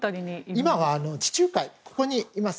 今は地中海にいます。